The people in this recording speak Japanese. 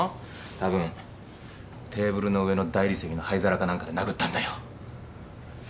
たぶんテーブルの上の大理石の灰皿かなんかで殴ったんだよ。